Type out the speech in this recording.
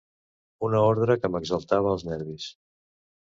Una ordre que m'exaltava els nervis.